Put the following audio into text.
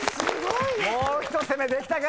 もうひと攻めできたか。